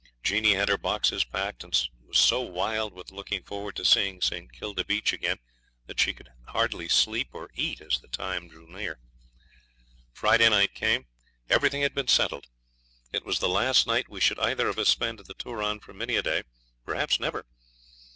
Jeanie had her boxes packed, and was so wild with looking forward to seeing St. Kilda beach again that she could hardly sleep or eat as the time drew near. Friday night came; everything had been settled. It was the last night we should either of us spend at the Turon for many a day perhaps never.